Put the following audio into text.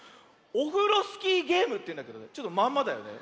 「オフロスキーゲーム」というんだけどまんまだよね。